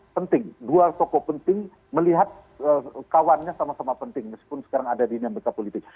penting dua tokoh penting melihat kawannya sama sama penting meskipun sekarang ada dinamika politik